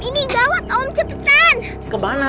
ini gawat om cepetan